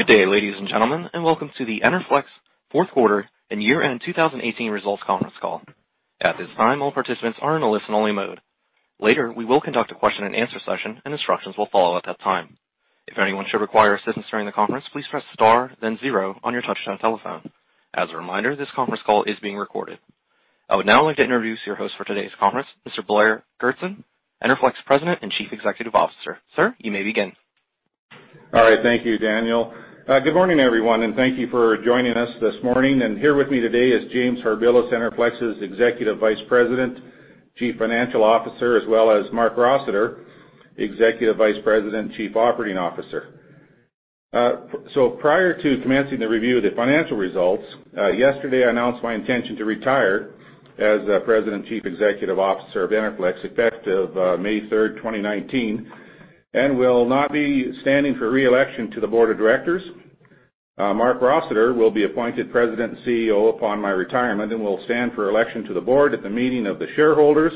Good day, ladies and gentlemen, welcome to the Enerflex fourth quarter and year-end 2018 results conference call. At this time, all participants are in a listen-only mode. Later, we will conduct a question and answer session and instructions will follow at that time. If anyone should require assistance during the conference, please press star then zero on your touch-tone telephone. As a reminder, this conference call is being recorded. I would now like to introduce your host for today's conference, Mr. Blair Goertzen, Enerflex President and Chief Executive Officer. Sir, you may begin. All right. Thank you, Daniel. Good morning, everyone, thank you for joining us this morning. Here with me today is James Harbilas, Enerflex's Executive Vice President, Chief Financial Officer, as well as Marc Rossiter, Executive Vice President, Chief Operating Officer. Prior to commencing the review of the financial results, yesterday I announced my intention to retire as President and Chief Executive Officer of Enerflex effective May 3rd, 2019, and will not be standing for re-election to the board of directors. Marc Rossiter will be appointed President and CEO upon my retirement and will stand for election to the board at the meeting of the shareholders.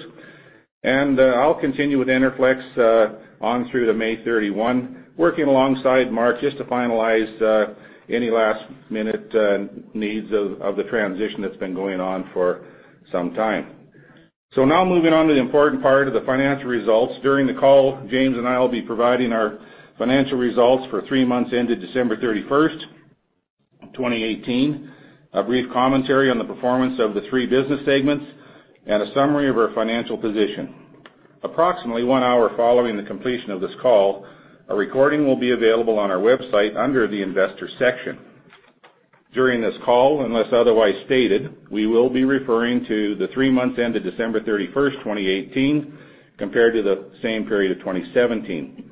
I'll continue with Enerflex on through to May 31, working alongside Marc just to finalize any last-minute needs of the transition that's been going on for some time. Now moving on to the important part of the financial results. During the call, James and I will be providing our financial results for three months ended December 31st, 2018, a brief commentary on the performance of the three business segments, and a summary of our financial position. Approximately 1 hour following the completion of this call, a recording will be available on our website under the investor section. During this call, unless otherwise stated, we will be referring to the three months ended December 31st, 2018, compared to the same period of 2017.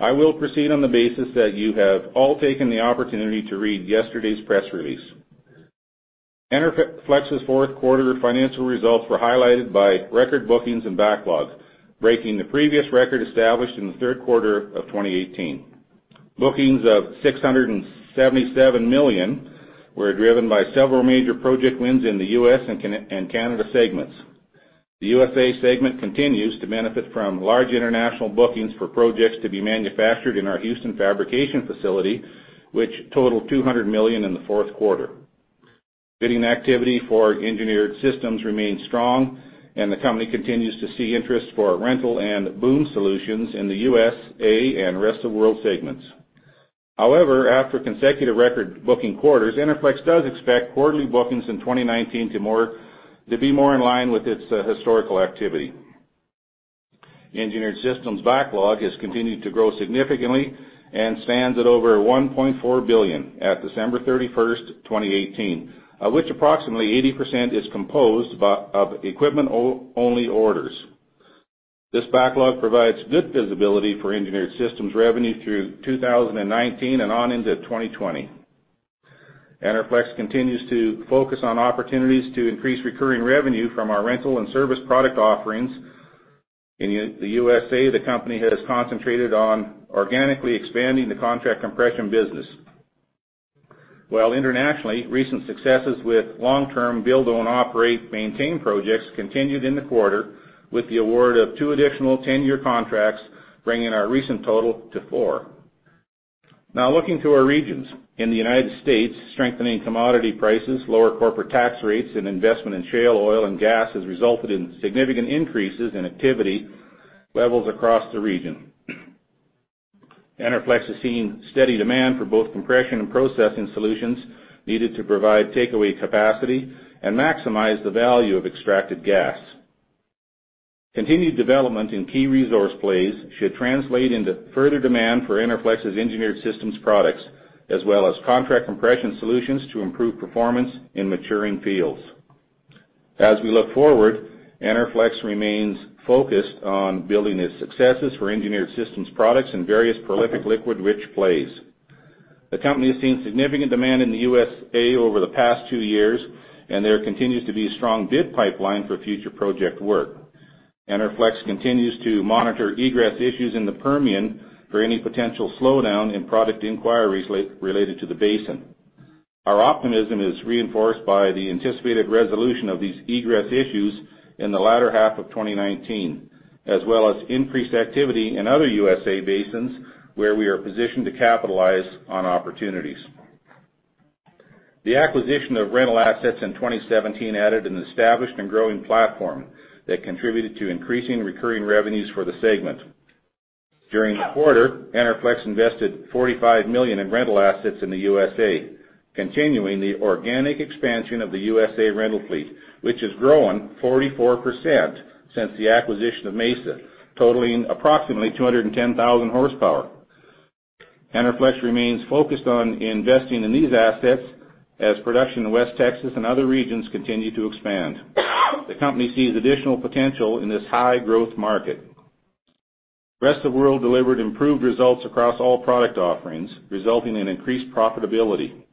I will proceed on the basis that you have all taken the opportunity to read yesterday's press release. Enerflex's fourth quarter financial results were highlighted by record bookings and backlogs, breaking the previous record established in the third quarter of 2018. Bookings of 677 million were driven by several major project wins in the U.S. and Canada segments. The USA segment continues to benefit from large international bookings for projects to be manufactured in our Houston fabrication facility, which totaled 200 million in the fourth quarter. Bidding activity for Engineered Systems remains strong, the company continues to see interest for rental and BOOM solutions in the USA and rest of world segments. However, after consecutive record booking quarters, Enerflex does expect quarterly bookings in 2019 to be more in line with its historical activity. Engineered Systems backlog has continued to grow significantly and stands at over 1.4 billion at December 31st, 2018, of which approximately 80% is composed of equipment-only orders. This backlog provides good visibility for Engineered Systems revenue through 2019 and on into 2020. Enerflex continues to focus on opportunities to increase recurring revenue from our rental and service product offerings. In the USA, the company has concentrated on organically expanding the contract compression business, while internationally, recent successes with long-term build, own, operate, maintain projects continued in the quarter with the award of two additional 10-year contracts, bringing our recent total to four. Looking to our regions. In the United States, strengthening commodity prices, lower corporate tax rates, and investment in shale oil and gas has resulted in significant increases in activity levels across the region. Enerflex has seen steady demand for both compression and processing solutions needed to provide takeaway capacity and maximize the value of extracted gas. Continued development in key resource plays should translate into further demand for Enerflex's Engineered Systems products, as well as contract compression solutions to improve performance in maturing fields. As we look forward, Enerflex remains focused on building its successes for Engineered Systems products in various prolific liquid-rich plays. The company has seen significant demand in the USA over the past two years, there continues to be a strong bid pipeline for future project work. Enerflex continues to monitor egress issues in the Permian for any potential slowdown in product inquiries related to the basin. Our optimism is reinforced by the anticipated resolution of these egress issues in the latter half of 2019, as well as increased activity in other USA basins where we are positioned to capitalize on opportunities. The acquisition of rental assets in 2017 added an established and growing platform that contributed to increasing recurring revenues for the segment. During the quarter, Enerflex invested 45 million in rental assets in the USA, continuing the organic expansion of the USA rental fleet, which has grown 44% since the acquisition of Mesa, totaling approximately 210,000 hp. Enerflex remains focused on investing in these assets as production in West Texas and other regions continue to expand. The company sees additional potential in this high-growth market. Rest of world delivered improved results across all product offerings, resulting in increased profitability.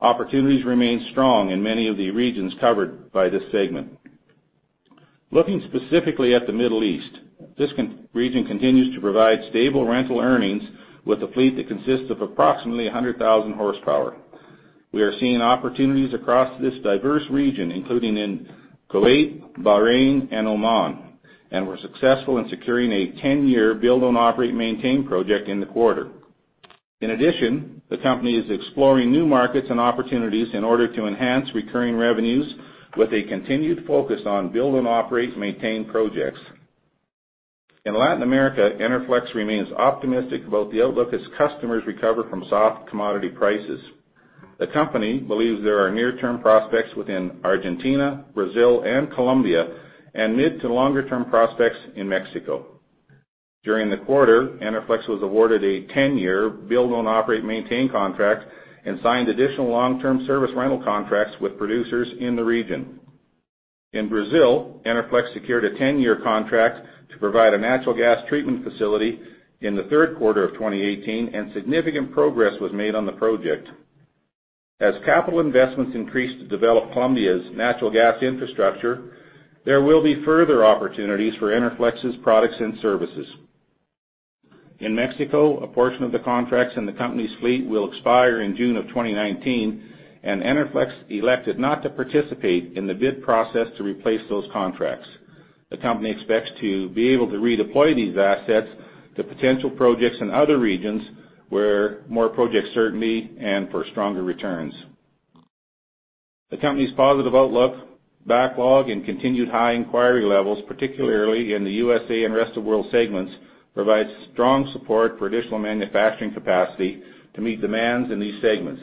Opportunities remain strong in many of the regions covered by this segment. Looking specifically at the Middle East, this region continues to provide stable rental earnings with a fleet that consists of approximately 100,000 hp. We are seeing opportunities across this diverse region, including in Kuwait, Bahrain, and Oman, and were successful in securing a 10-year build, own, operate, maintain project in the quarter. In addition, the company is exploring new markets and opportunities in order to enhance recurring revenues with a continued focus on build and operate, maintain projects. In Latin America, Enerflex remains optimistic about the outlook as customers recover from soft commodity prices. The company believes there are near-term prospects within Argentina, Brazil, and Colombia, and mid to longer-term prospects in Mexico. During the quarter, Enerflex was awarded a 10-year build, own, operate, maintain contract and signed additional long-term service rental contracts with producers in the region. In Brazil, Enerflex secured a 10-year contract to provide a natural gas treatment facility in the third quarter of 2018, and significant progress was made on the project. As capital investments increase to develop Colombia's natural gas infrastructure, there will be further opportunities for Enerflex's products and services. In Mexico, a portion of the contracts in the company's fleet will expire in June of 2019. Enerflex elected not to participate in the bid process to replace those contracts. The company expects to be able to redeploy these assets to potential projects in other regions where more project certainty and for stronger returns. The company's positive outlook, backlog, and continued high inquiry levels, particularly in the USA and rest of world segments, provides strong support for additional manufacturing capacity to meet demands in these segments.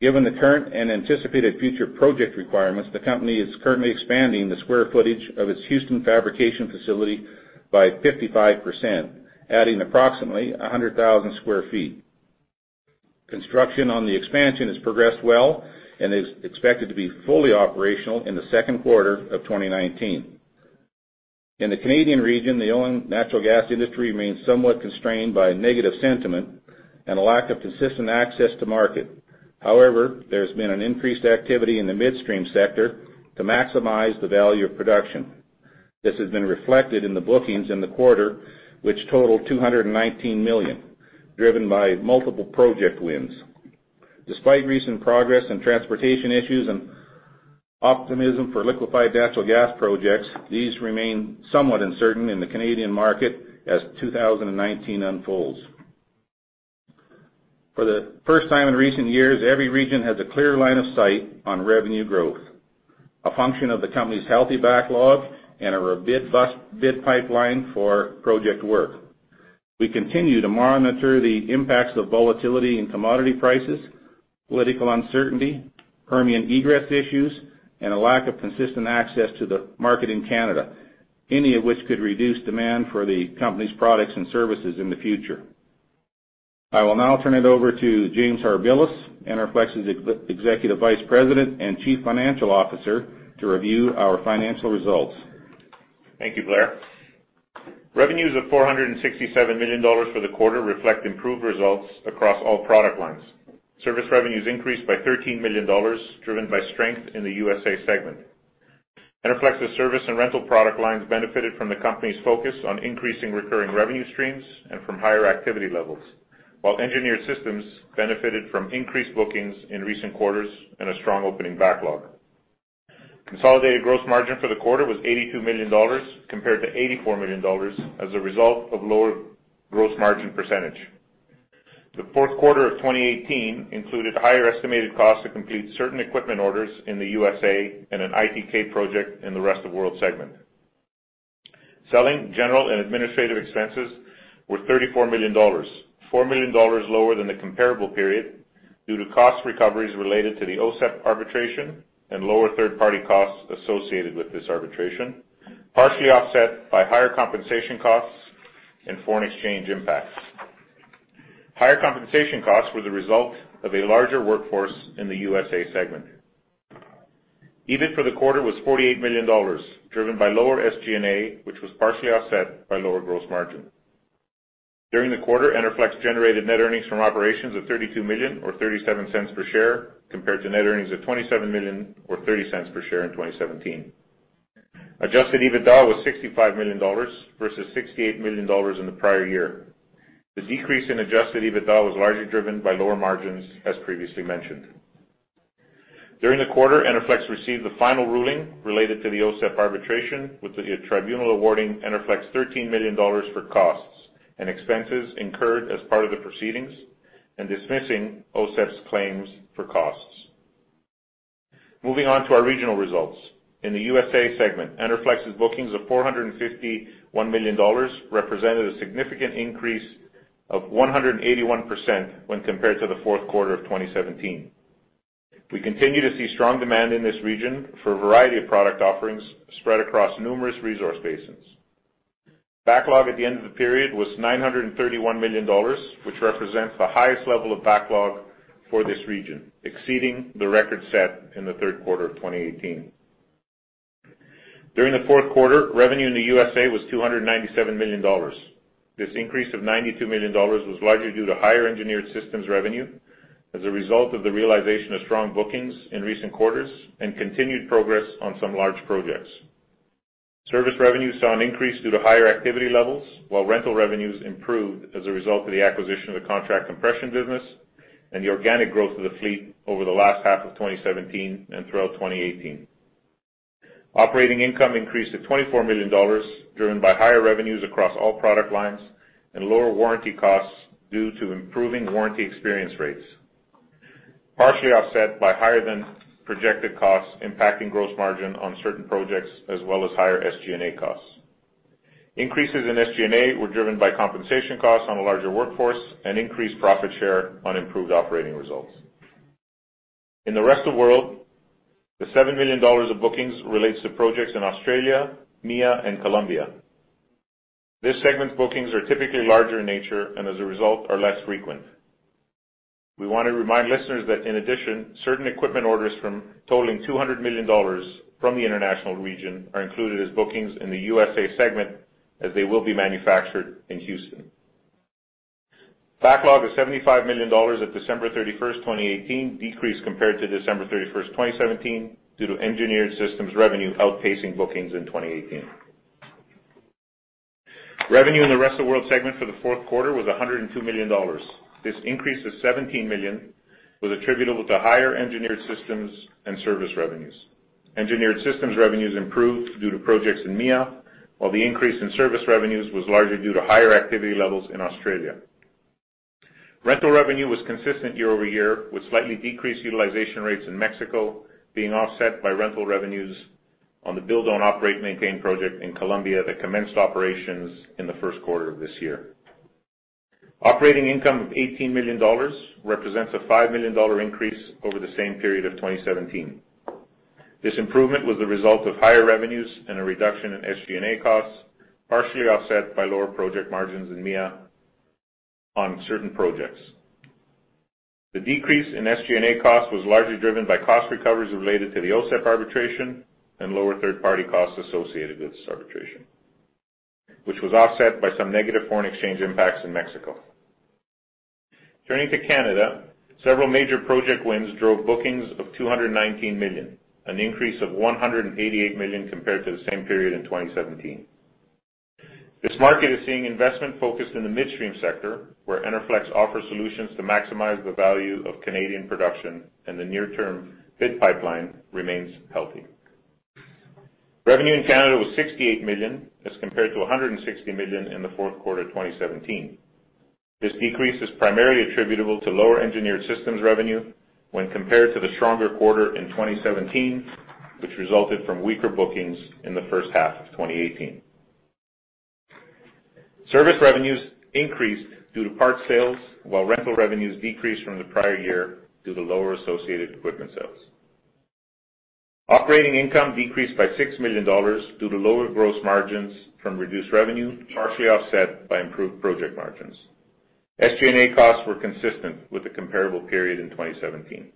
Given the current and anticipated future project requirements, the company is currently expanding the square footage of its Houston fabrication facility by 55%, adding approximately 100,000 sq ft. Construction on the expansion has progressed well and is expected to be fully operational in the second quarter of 2019. In the Canadian region, the oil and natural gas industry remains somewhat constrained by a negative sentiment and a lack of consistent access to market. However, there's been an increased activity in the midstream sector to maximize the value of production. This has been reflected in the bookings in the quarter, which totaled 219 million, driven by multiple project wins. Despite recent progress in transportation issues and optimism for liquefied natural gas projects, these remain somewhat uncertain in the Canadian market as 2019 unfolds. For the first time in recent years, every region has a clear line of sight on revenue growth, a function of the company's healthy backlog and a robust bid pipeline for project work. We continue to monitor the impacts of volatility in commodity prices, political uncertainty, Permian egress issues, and a lack of consistent access to the market in Canada, any of which could reduce demand for the company's products and services in the future. I will now turn it over to James Harbilas, Enerflex's Executive Vice President and Chief Financial Officer, to review our financial results. Thank you, Blair. Revenues of 467 million dollars for the quarter reflect improved results across all product lines. Service revenues increased by 13 million dollars, driven by strength in the USA segment. Enerflex's service and rental product lines benefited from the company's focus on increasing recurring revenue streams and from higher activity levels, while Engineered Systems benefited from increased bookings in recent quarters and a strong opening backlog. Consolidated gross margin for the quarter was 82 million dollars compared to 84 million dollars as a result of lower gross margin percentage. The fourth quarter of 2018 included higher estimated costs to complete certain equipment orders in the USA and an ITK project in the rest of world segment. Selling, General and Administrative expenses were 34 million dollars, 4 million dollars lower than the comparable period due to cost recoveries related to the OCEP arbitration and lower third-party costs associated with this arbitration, partially offset by higher compensation costs and foreign exchange impacts. Higher compensation costs were the result of a larger workforce in the USA segment. EBIT for the quarter was 48 million dollars, driven by lower SG&A, which was partially offset by lower gross margin. During the quarter, Enerflex generated net earnings from operations of 32 million or 0.37 per share compared to net earnings of 27 million or 0.30 per share in 2017. Adjusted EBITDA was 65 million dollars versus 68 million dollars in the prior year. The decrease in Adjusted EBITDA was largely driven by lower margins, as previously mentioned. During the quarter, Enerflex received the final ruling related to the OCEP arbitration, with the tribunal awarding Enerflex 13 million dollars for costs and expenses incurred as part of the proceedings and dismissing OCEP's claims for costs. Moving on to our regional results. In the USA segment, Enerflex's bookings of 451 million dollars represented a significant increase of 181% when compared to the fourth quarter of 2017. We continue to see strong demand in this region for a variety of product offerings spread across numerous resource basins. Backlog at the end of the period was 931 million dollars, which represents the highest level of backlog for this region, exceeding the record set in the third quarter of 2018. During the fourth quarter, revenue in the USA was 297 million dollars. This increase of 92 million dollars was largely due to higher Engineered Systems revenue as a result of the realization of strong bookings in recent quarters and continued progress on some large projects. Service revenue saw an increase due to higher activity levels, while rental revenues improved as a result of the acquisition of the contract compression business and the organic growth of the fleet over the last half of 2017 and throughout 2018. Operating income increased to 24 million dollars, driven by higher revenues across all product lines and lower warranty costs due to improving warranty experience rates, partially offset by higher-than-projected costs impacting gross margin on certain projects, as well as higher SG&A costs. Increases in SG&A were driven by compensation costs on a larger workforce and increased profit share on improved operating results. In the rest of world, the 7 million dollars of bookings relates to projects in Australia, EMEA, and Colombia. This segment's bookings are typically larger in nature and, as a result, are less frequent. We want to remind listeners that in addition, certain equipment orders totaling 200 million dollars from the international region are included as bookings in the USA segment, as they will be manufactured in Houston. Backlog of 75 million dollars at December 31st, 2018 decreased compared to December 31st, 2017, due to Engineered Systems revenue outpacing bookings in 2018. Revenue in the rest of world segment for the fourth quarter was 102 million dollars. This increase of 17 million was attributable to higher Engineered Systems and service revenues. Engineered Systems revenues improved due to projects in EMEA, while the increase in service revenues was largely due to higher activity levels in Australia. Rental revenue was consistent year-over-year, with slightly decreased utilization rates in Mexico being offset by rental revenues on the Build-Own-Operate-Maintain project in Colombia that commenced operations in the first quarter of this year. Operating income of 18 million dollars represents a 5 million dollar increase over the same period of 2017. This improvement was the result of higher revenues and a reduction in SG&A costs, partially offset by lower project margins in EMEA on certain projects. The decrease in SG&A costs was largely driven by cost recoveries related to the OCEP arbitration and lower third-party costs associated with this arbitration, which was offset by some negative foreign exchange impacts in Mexico. Turning to Canada, several major project wins drove bookings of 219 million, an increase of 188 million compared to the same period in 2017. This market is seeing investment focused in the midstream sector, where Enerflex offers solutions to maximize the value of Canadian production and the near-term bid pipeline remains healthy. Revenue in Canada was 68 million as compared to 160 million in the fourth quarter of 2017. This decrease is primarily attributable to lower Engineered Systems revenue when compared to the stronger quarter in 2017, which resulted from weaker bookings in the first half of 2018. Service revenues increased due to parts sales, while rental revenues decreased from the prior year due to lower associated equipment sales. Operating income decreased by 6 million dollars due to lower gross margins from reduced revenue, partially offset by improved project margins. SG&A costs were consistent with the comparable period in 2017.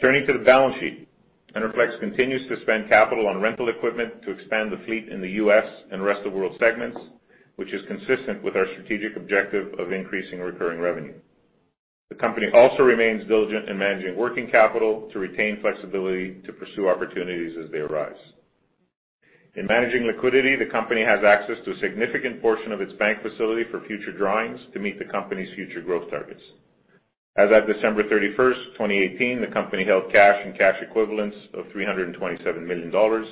Turning to the balance sheet, Enerflex continues to spend capital on rental equipment to expand the fleet in the U.S. and rest of world segments, which is consistent with our strategic objective of increasing recurring revenue. The company also remains diligent in managing working capital to retain flexibility to pursue opportunities as they arise. In managing liquidity, the company has access to a significant portion of its bank facility for future drawings to meet the company's future growth targets. As at December 31st, 2018, the company held cash and cash equivalents of 327 million dollars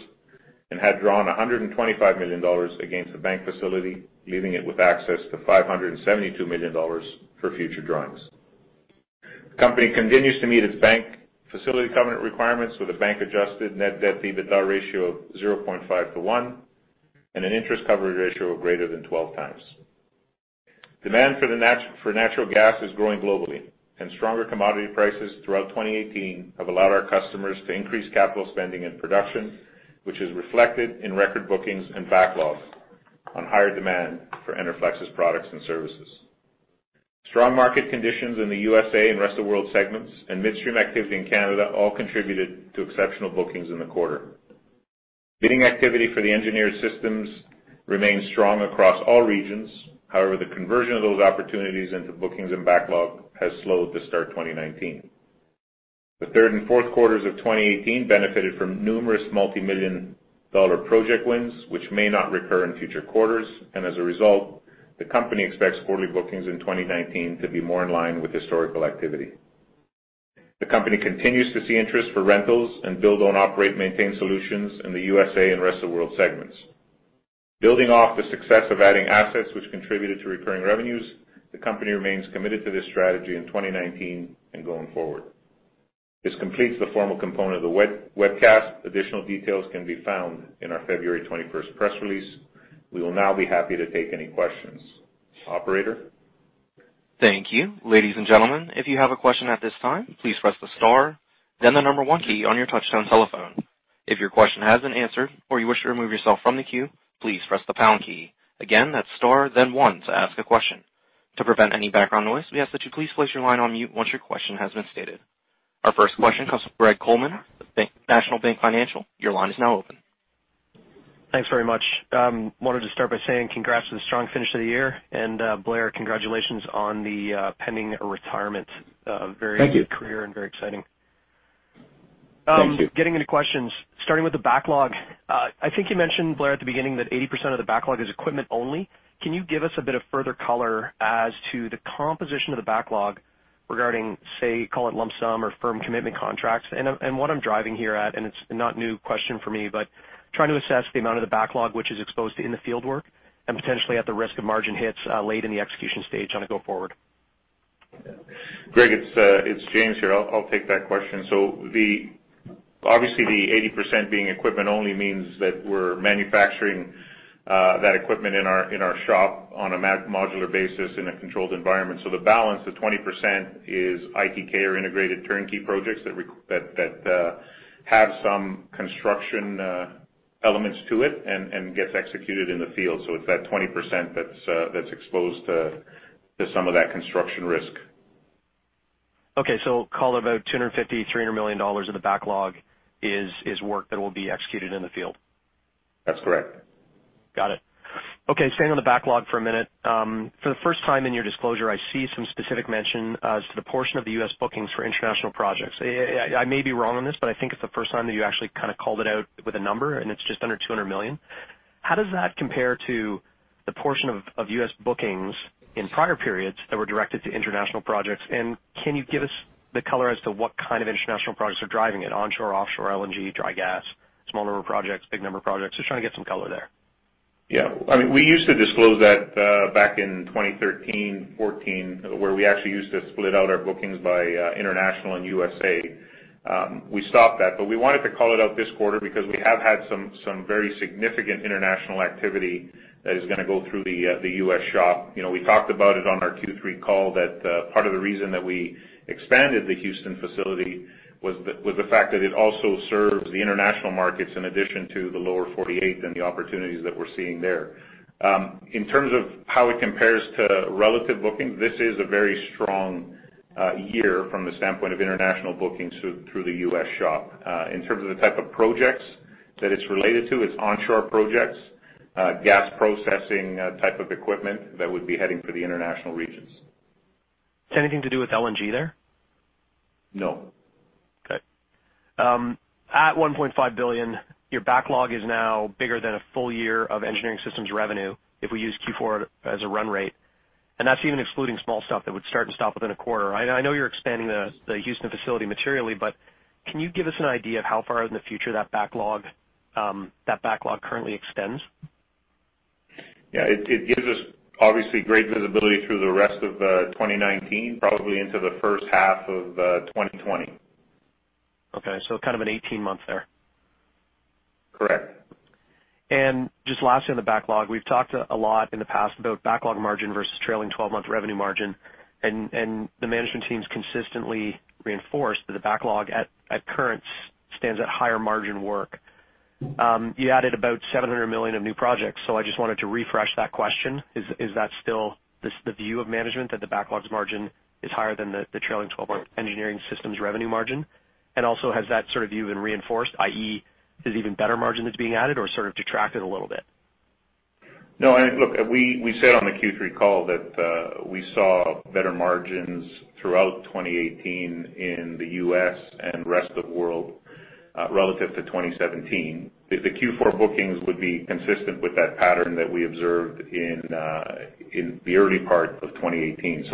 and had drawn 125 million dollars against the bank facility, leaving it with access to 572 million dollars for future drawings. The company continues to meet its bank facility covenant requirements with a bank-adjusted net debt-to-EBITDA ratio of 0.5-1 and an interest coverage ratio of greater than 12x. Demand for natural gas is growing globally, stronger commodity prices throughout 2018 have allowed our customers to increase capital spending and production, which is reflected in record bookings and backlogs on higher demand for Enerflex's products and services. Strong market conditions in the U.S. and rest of world segments and midstream activity in Canada all contributed to exceptional bookings in the quarter. Bidding activity for the Engineered Systems remains strong across all regions. However, the conversion of those opportunities into bookings and backlog has slowed at the start of 2019. The third and fourth quarters of 2018 benefited from numerous multimillion-dollar project wins, which may not recur in future quarters. As a result, the company expects quarterly bookings in 2019 to be more in line with historical activity. The company continues to see interest for rentals and Build-Own-Operate-Maintain solutions in the U.S. and rest of world segments. Building off the success of adding assets which contributed to recurring revenues, the company remains committed to this strategy in 2019 and going forward. This completes the formal component of the webcast. Additional details can be found in our February 21st press release. We will now be happy to take any questions. Operator? Thank you. Ladies and gentlemen, if you have a question at this time, please press the star, then the number one key on your touchtone telephone. If your question has been answered or you wish to remove yourself from the queue, please press the pound key. Again, that's star, then one to ask a question. To prevent any background noise, we ask that you please place your line on mute once your question has been stated. Our first question comes from Greg Coleman with National Bank Financial. Your line is now open. Thanks very much. Wanted to start by saying congrats on the strong finish to the year and Blair, congratulations on the pending retirement. Thank you. Very clear and very exciting. Thank you. Getting into questions, starting with the backlog. I think you mentioned, Blair, at the beginning that 80% of the backlog is equipment only. Can you give us a bit of further color as to the composition of the backlog regarding, say, call it lump sum or firm commitment contracts? What I'm driving here at, and it's not new question for me, but trying to assess the amount of the backlog which is exposed in the field work and potentially at the risk of margin hits late in the execution stage on a go forward. Greg, it's James here. I'll take that question. Obviously the 80% being equipment only means that we're manufacturing that equipment in our shop on a modular basis in a controlled environment. The balance, the 20%, is ITK or integrated turnkey projects that have some construction elements to it and gets executed in the field. It's that 20% that's exposed to some of that construction risk. Okay. Call it about 250 million-300 million dollars of the backlog is work that will be executed in the field. That's correct. Got it. Okay, staying on the backlog for a minute. For the first time in your disclosure, I see some specific mention as to the portion of the U.S. bookings for international projects. I may be wrong on this, but I think it's the first time that you actually called it out with a number, and it's just under 200 million. How does that compare to the portion of U.S. bookings in prior periods that were directed to international projects? Can you give us the color as to what kind of international projects are driving it? Onshore, offshore, LNG, dry gas, small number of projects, big number of projects? Just trying to get some color there. We used to disclose that back in 2013, 2014, where we actually used to split out our bookings by international and USA. We stopped that. We wanted to call it out this quarter because we have had some very significant international activity that is going to go through the U.S. shop. We talked about it on our Q3 call that part of the reason that we expanded the Houston facility was the fact that it also serves the international markets in addition to the lower 48 and the opportunities that we're seeing there. In terms of how it compares to relative bookings, this is a very strong year from the standpoint of international bookings through the U.S. shop. In terms of the type of projects that it's related to, it's onshore projects, gas processing type of equipment that would be heading for the international regions. Is anything to do with LNG there? No. Okay. At 1.5 billion, your backlog is now bigger than a full year of Engineered Systems revenue if we use Q4 as a run rate, and that's even excluding small stuff that would start and stop within a quarter. I know you're expanding the Houston facility materially, can you give us an idea of how far in the future that backlog currently extends? Yeah. It gives us obviously great visibility through the rest of 2019, probably into the first half of 2020. Okay. Kind of an 18 months there. Correct. Just lastly on the backlog. We've talked a lot in the past about backlog margin versus trailing 12-month revenue margin, and the management team's consistently reinforced that the backlog at current stands at higher margin work. You added about 700 million of new projects, I just wanted to refresh that question. Is that still the view of management, that the backlogs margin is higher than the trailing 12-month Engineered Systems revenue margin? Also, has that sort of view been reinforced, i.e., is even better margin that's being added or sort of detracted a little bit? No. Look, we said on the Q3 call that we saw better margins throughout 2018 in the U.S. and rest of world relative to 2017. The Q4 bookings would be consistent with that pattern that we observed in the early part of 2018.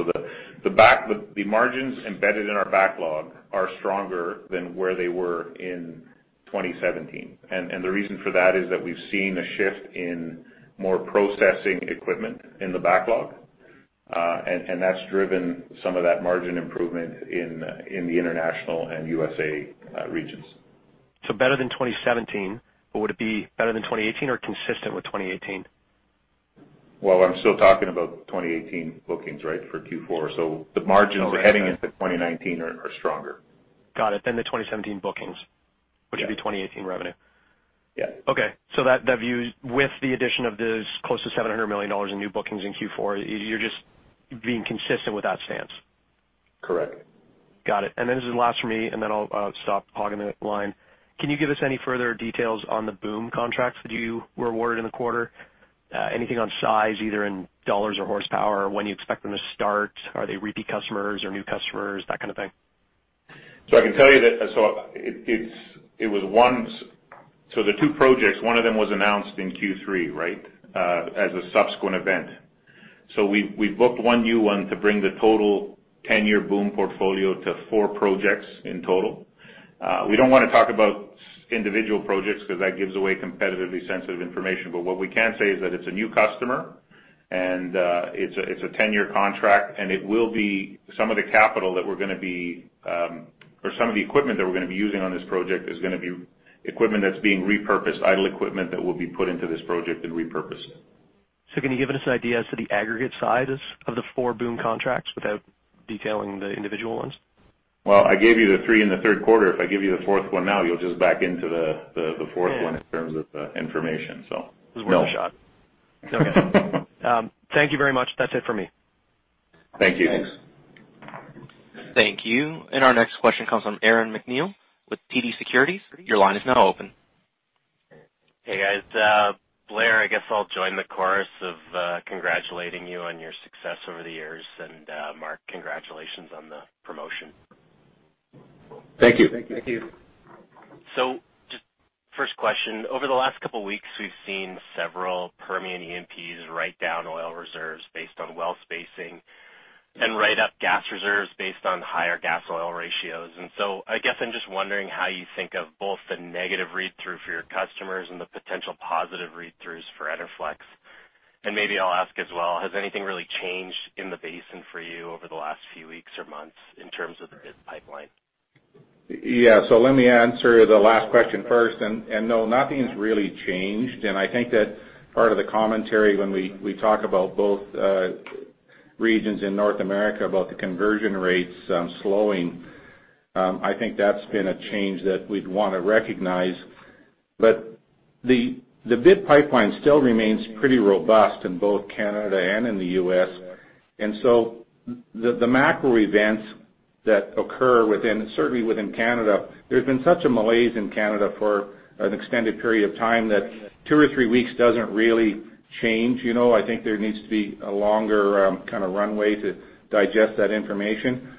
The margins embedded in our backlog are stronger than where they were in 2017. The reason for that is that we've seen a shift in more processing equipment in the backlog, and that's driven some of that margin improvement in the international and U.S. regions. Better than 2017, would it be better than 2018 or consistent with 2018? Well, I'm still talking about 2018 bookings for Q4. The margins heading into 2019 are stronger. Got it. Than the 2017 bookings. Yeah. Which would be 2018 revenue. Yeah. Okay. That view with the addition of those close to 700 million dollars in new bookings in Q4, you're just being consistent with that stance. Correct. Got it. This is last for me, and then I'll stop hogging the line. Can you give us any further details on the BOOM contracts that you were awarded in the quarter? Anything on size, either in CAD or horsepower? When you expect them to start? Are they repeat customers or new customers, that kind of thing? I can tell you that so the two projects, one of them was announced in Q3 as a subsequent event. We booked one new one to bring the total 10-year BOOM portfolio to four projects in total. We don't want to talk about individual projects because that gives away competitively sensitive information. What we can say is that it's a new customer and it's a 10-year contract, and it will be some of the capital or some of the equipment that we're going to be using on this project is going to be equipment that's being repurposed, idle equipment that will be put into this project and repurposed. Can you give us an idea as to the aggregate sizes of the four BOOM contracts without detailing the individual ones? I gave you the three in the third quarter. If I give you the fourth one now, you'll just back into the fourth one in terms of information, no. It was worth a shot. Okay. Thank you very much. That's it for me. Thank you. Thanks. Thank you. Our next question comes from Aaron MacNeil with TD Securities. Your line is now open. Hey guys. Blair, I guess I'll join the chorus of congratulating you on your success over the years, and Marc, congratulations on the promotion. Thank you. Thank you. Just first question. Over the last couple of weeks, we've seen several Permian E&Ps write down oil reserves based on well spacing and write up gas reserves based on higher gas oil ratios. I guess I'm just wondering how you think of both the negative read-through for your customers and the potential positive read-throughs for Enerflex. Maybe I'll ask as well, has anything really changed in the basin for you over the last few weeks or months in terms of the bid pipeline? Let me answer the last question first. No, nothing's really changed. I think that part of the commentary when we talk about both regions in North America, about the conversion rates slowing, I think that's been a change that we'd want to recognize. The bid pipeline still remains pretty robust in both Canada and in the U.S. The macro events that occur certainly within Canada, there's been such a malaise in Canada for an extended period of time that two or three weeks doesn't really change. I think there needs to be a longer kind of runway to digest that information.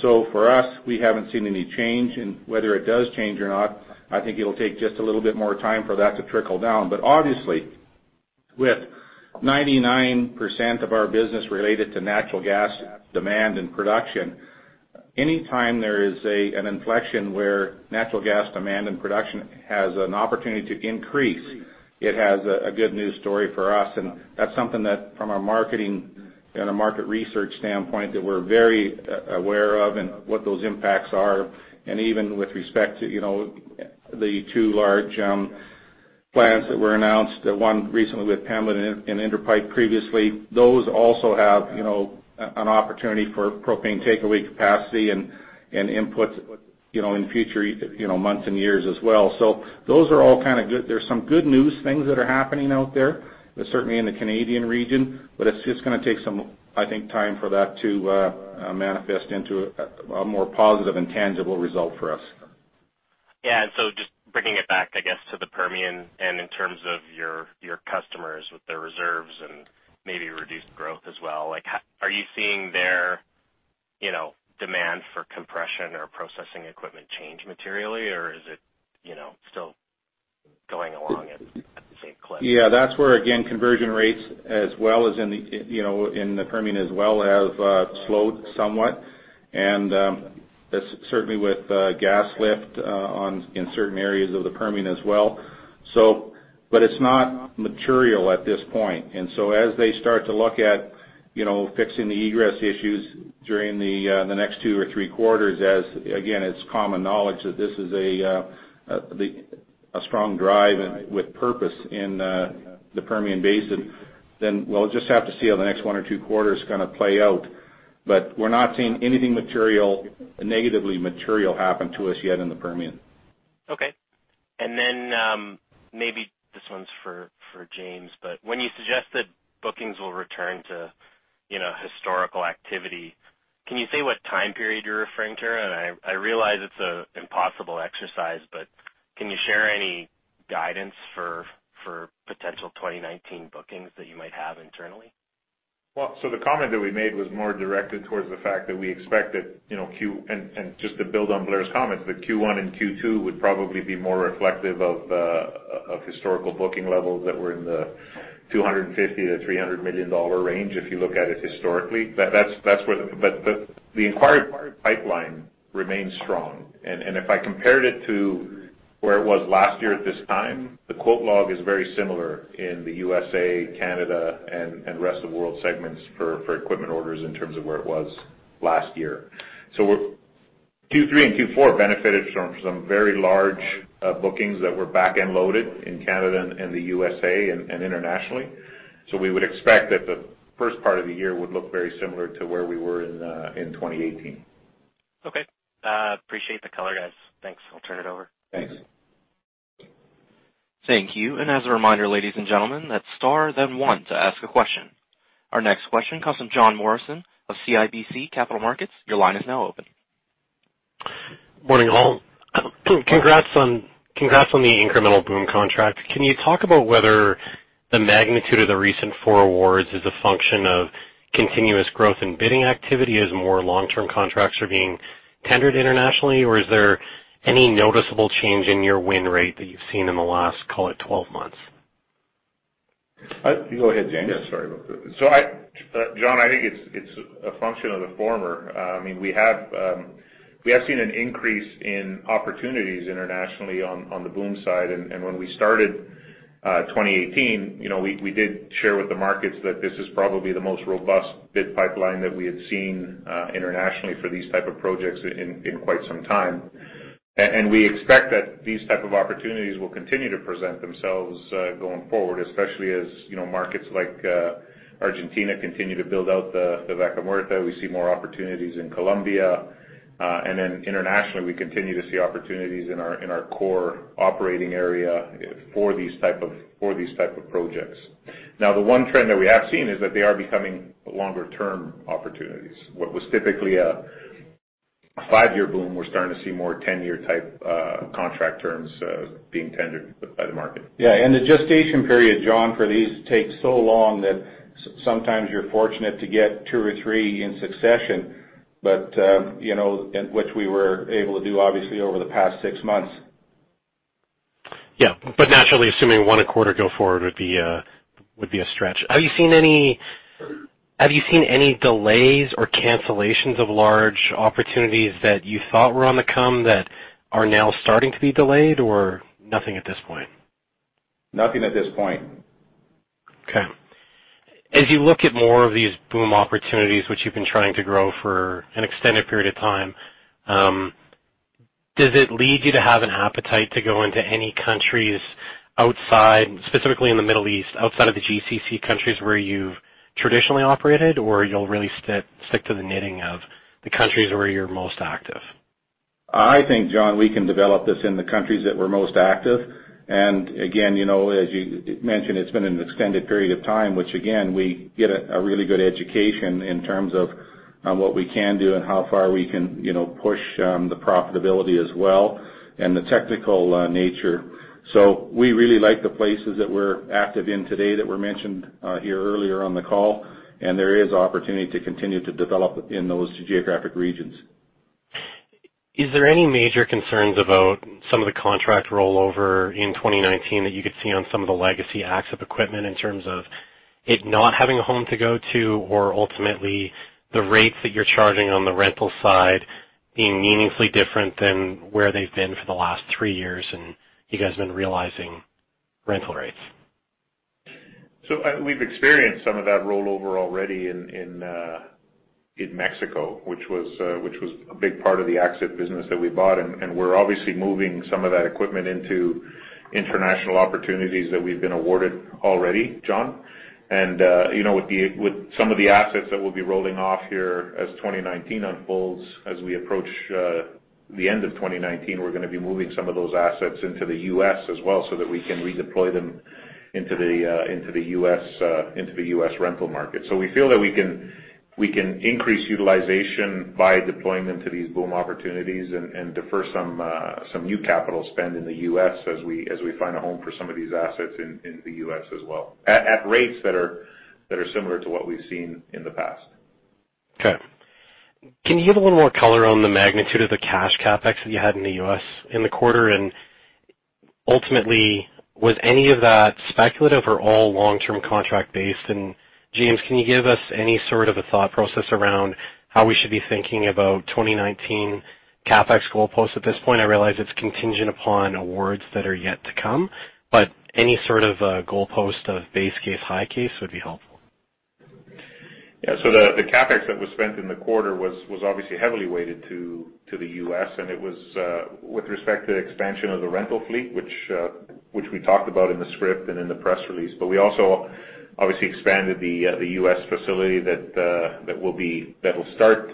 For us, we haven't seen any change. Whether it does change or not, I think it'll take just a little bit more time for that to trickle down. Obviously, with 99% of our business related to natural gas demand and production, anytime there is an inflection where natural gas demand and production has an opportunity to increase, it has a good news story for us, and that's something that from a marketing and a market research standpoint, that we're very aware of and what those impacts are. Even with respect to the two large plants that were announced, the one recently with Pembina and Inter Pipeline previously, those also have an opportunity for propane takeaway capacity and inputs in future months and years as well. Those are all kind of good. There's some good news things that are happening out there, certainly in the Canadian region, it's just going to take some, I think, time for that to manifest into a more positive and tangible result for us. Just bringing it back, I guess, to the Permian and in terms of your customers with their reserves and maybe reduced growth as well, are you seeing their demand for compression or processing equipment change materially, or is it still going along at the same clip? That's where, again, conversion rates as well as in the Permian as well have slowed somewhat, and certainly with gas lift in certain areas of the Permian as well. It's not material at this point. As they start to look at fixing the egress issues during the next two or three quarters as, again, it's common knowledge that this is a strong drive with purpose in the Permian Basin, then we'll just have to see how the next one or two quarters kind of play out. We're not seeing anything negatively material happen to us yet in the Permian. Maybe this one's for James, when you suggest that bookings will return to historical activity, can you say what time period you're referring to? I realize it's an impossible exercise, can you share any guidance for potential 2019 bookings that you might have internally? The comment that we made was more directed towards the fact that we expect that, just to build on Blair's comments, Q1 and Q2 would probably be more reflective of historical booking levels that were in the 250 million-300 million dollar range, if you look at it historically. The inquiry pipeline remains strong. If I compared it to where it was last year at this time, the quote log is very similar in the USA, Canada and rest of world segments for equipment orders in terms of where it was last year. Q3 and Q4 benefited from some very large bookings that were back-end loaded in Canada and the USA and internationally. We would expect that the first part of the year would look very similar to where we were in 2018. Appreciate the color, guys. Thanks. I'll turn it over. Thanks. Thank you. As a reminder, ladies and gentlemen, that's star then one to ask a question. Our next question comes from Jon Morrison of CIBC Capital Markets. Your line is now open. Morning, all. Congrats on the incremental BOOM contract. Can you talk about whether the magnitude of the recent four awards is a function of continuous growth in bidding activity as more long-term contracts are being tendered internationally, or is there any noticeable change in your win rate that you've seen in the last, call it 12 months? You go ahead, James. Yeah, sorry about that. Jon, I think it's a function of the former. We have seen an increase in opportunities internationally on the BOOM side. When we started 2018, we did share with the markets that this is probably the most robust bid pipeline that we had seen internationally for these type of projects in quite some time. We expect that these type of opportunities will continue to present themselves going forward, especially as markets like Argentina continue to build out Vaca Muerta. We see more opportunities in Colombia. Then internationally, we continue to see opportunities in our core operating area for these type of projects. The one trend that we have seen is that they are becoming longer term opportunities. What was typically a five-year BOOM, we're starting to see more 10-year type contract terms being tendered by the market. Yeah. The gestation period, Jon, for these takes so long that sometimes you're fortunate to get two or three in succession, but which we were able to do, obviously, over the past six months. Yeah. Naturally, assuming one a quarter go forward would be a stretch. Have you seen any delays or cancellations of large opportunities that you thought were on the come that are now starting to be delayed or nothing at this point? Nothing at this point. Okay. As you look at more of these BOOM opportunities which you've been trying to grow for an extended period of time, does it lead you to have an appetite to go into any countries outside, specifically in the Middle East, outside of the GCC countries where you've traditionally operated? You'll really stick to the knitting of the countries where you're most active? I think, Jon, we can develop this in the countries that we're most active. Again, as you mentioned, it's been an extended period of time, which again, we get a really good education in terms of what we can do and how far we can push the profitability as well and the technical nature. We really like the places that we're active in today that were mentioned here earlier on the call, there is opportunity to continue to develop in those geographic regions. Is there any major concerns about some of the contract rollover in 2019 that you could see on some of the legacy Axip equipment in terms of it not having a home to go to? Ultimately the rates that you're charging on the rental side being meaningfully different than where they've been for the last three years and you guys been realizing rental rates? We've experienced some of that rollover already in Mexico, which was a big part of the Axip business that we bought, we're obviously moving some of that equipment into international opportunities that we've been awarded already, Jon Morrison. With some of the assets that we'll be rolling off here as 2019 unfolds, as we approach the end of 2019, we're going to be moving some of those assets into the U.S. as well, that we can redeploy them into the U.S. rental market. We feel that we can increase utilization by deploying them to these BOOM opportunities and defer some new capital spend in the U.S. as we find a home for some of these assets in the U.S. as well, at rates that are similar to what we've seen in the past. Okay. Can you give a little more color on the magnitude of the cash CapEx that you had in the U.S. in the quarter? Ultimately, was any of that speculative or all long-term contract based? James, can you give us any sort of a thought process around how we should be thinking about 2019 CapEx goalposts at this point? I realize it's contingent upon awards that are yet to come, any sort of a goalpost of base case, high case would be helpful. The CapEx that was spent in the quarter was obviously heavily weighted to the U.S., and it was with respect to the expansion of the rental fleet which we talked about in the script and in the press release. We also obviously expanded the U.S. facility that will start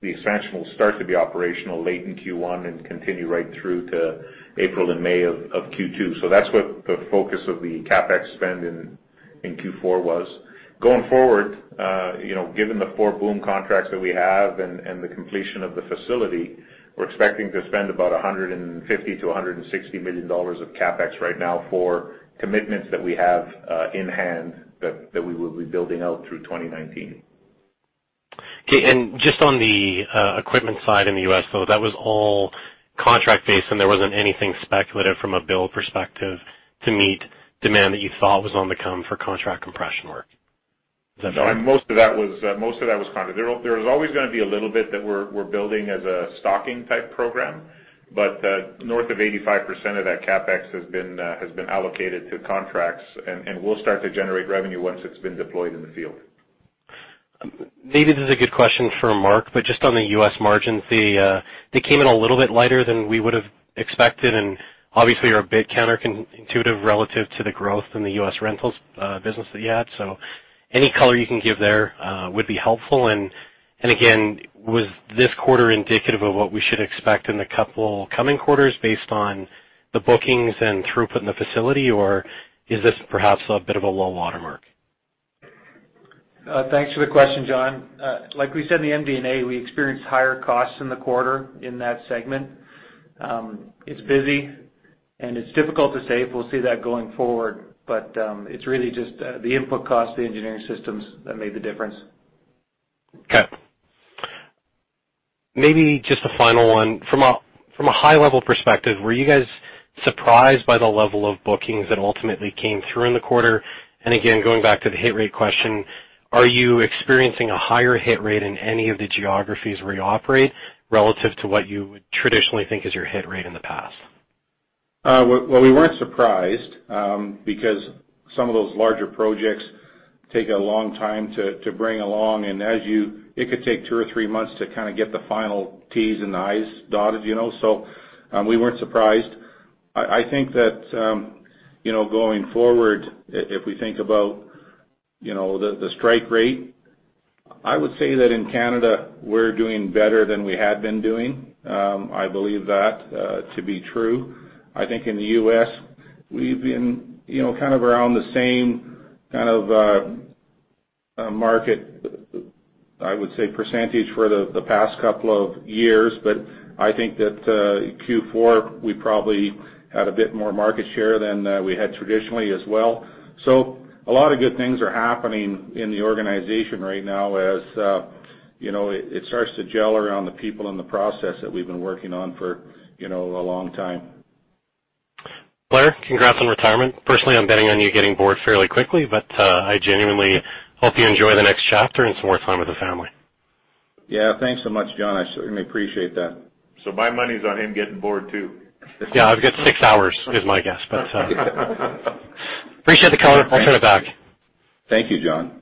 to be operational late in Q1 and continue right through to April and May of Q2. That's what the focus of the CapEx spend in Q4 was. Going forward, given the four BOOM contracts that we have and the completion of the facility, we're expecting to spend about 150 million-160 million dollars of CapEx right now for commitments that we have in hand that we will be building out through 2019. Okay. Just on the equipment side in the U.S., that was all contract based and there wasn't anything speculative from a build perspective to meet demand that you thought was on the come for contract compression work. Is that fair? No, most of that was kind of. There's always going to be a little bit that we're building as a stocking type program, but north of 85% of that CapEx has been allocated to contracts, and will start to generate revenue once it's been deployed in the field. Maybe this is a good question for Marc, just on the U.S. margins, they came in a little bit lighter than we would have expected, and obviously are a bit counterintuitive relative to the growth in the U.S. rentals business that you had. Any color you can give there would be helpful. Again, was this quarter indicative of what we should expect in the couple coming quarters based on the bookings and throughput in the facility? Or is this perhaps a bit of a low watermark? Thanks for the question, Jon. Like we said in the MD&A, we experienced higher costs in the quarter in that segment. It's busy and it's difficult to say if we'll see that going forward, but it's really just the input cost, the Engineered Systems that made the difference. Okay. Maybe just a final one. From a high level perspective, were you guys surprised by the level of bookings that ultimately came through in the quarter? Again, going back to the hit rate question, are you experiencing a higher hit rate in any of the geographies where you operate relative to what you would traditionally think is your hit rate in the past? Well, we weren't surprised, because some of those larger projects take a long time to bring along. It could take two or three months to kind of get the final Ts and the Is dotted. We weren't surprised. I think that going forward, if we think about the strike rate, I would say that in Canada we're doing better than we had been doing. I believe that to be true. I think in the U.S. we've been kind of around the same kind of market, I would say, percentage for the past couple of years, I think that Q4, we probably had a bit more market share than we had traditionally as well. A lot of good things are happening in the organization right now as it starts to gel around the people and the process that we've been working on for a long time. Blair, congrats on retirement. Personally, I'm betting on you getting bored fairly quickly, but I genuinely hope you enjoy the next chapter and some more time with the family. Yeah. Thanks so much, Jon. I certainly appreciate that. My money's on him getting bored, too. Yeah, I've got six hours is my guess. I appreciate the color. I'll turn it back. Thank you, Jon.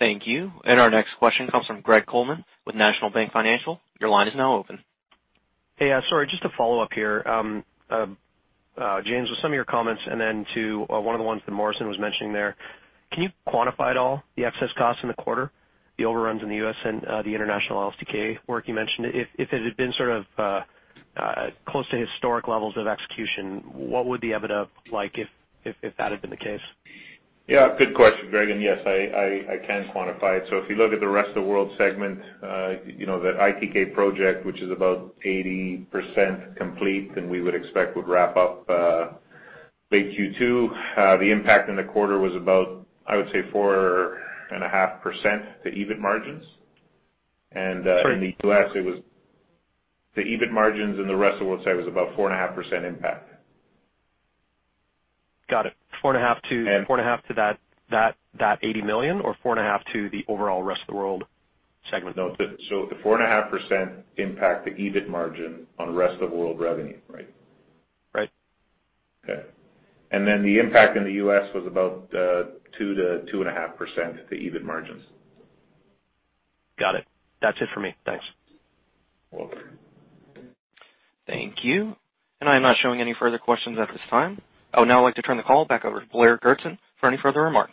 Thank you. Our next question comes from Greg Coleman with National Bank Financial. Your line is now open. Hey. Sorry, just a follow-up here. James, with some of your comments, and then to one of the ones that Morrison was mentioning there, can you quantify at all the excess costs in the quarter, the overruns in the U.S. and the international LSTK work you mentioned? If it had been sort of close to historic levels of execution, what would the EBITDA look like if that had been the case? Yeah, good question, Greg, and yes, I can quantify it. If you look at the rest of the world segment, that ITK project, which is about 80% complete and we would expect would wrap up late Q2, the impact in the quarter was about, I would say, 4.5% to EBIT margins. Sorry. in the U.S., the EBIT margins in the Rest of World side was about 4.5% impact. Got it. 4.5% to that 80 million or 4.5% to the overall Rest of World segment? No. The 4.5% impact to EBIT margin on Rest of World revenue, right? Right. Okay. The impact in the U.S. was about 2%-2.5% to EBIT margins. Got it. That's it for me. Thanks. Welcome. Thank you. I'm not showing any further questions at this time. I would now like to turn the call back over to Blair Goertzen for any further remarks.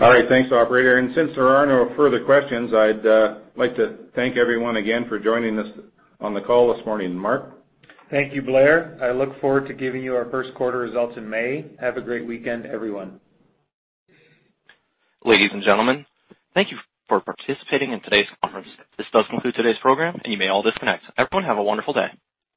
All right. Thanks, operator. Since there are no further questions, I'd like to thank everyone again for joining us on the call this morning. Marc? Thank you, Blair. I look forward to giving you our first quarter results in May. Have a great weekend, everyone. Ladies and gentlemen, thank you for participating in today's conference. This does conclude today's program, and you may all disconnect. Everyone, have a wonderful day.